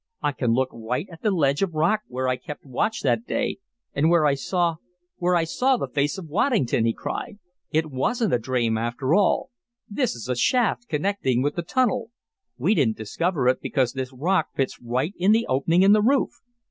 I can look right at the ledge of rock where I kept watch that day, and where I saw where I saw the face of Waddington!" he cried. "It wasn't a dream after all. This is a shaft connecting with the tunnel. We didn't discover it because this rock fits right in the opening in the roof.